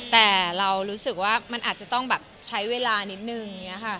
แต่เรารู้สึกว่ามันอาจจะต้องใช้เวลานิดนึง